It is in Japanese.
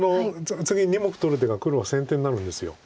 次２目取る手が黒は先手になるんです